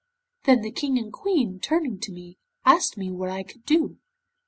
'Then the King and Queen, turning to me, asked me what I could do.